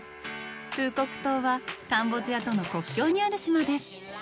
フーコック島はカンボジアとの国境にある島です。